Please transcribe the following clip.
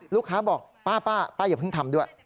ลูกค้าบอกป้าป้าอย่าเพิ่งทำด้วย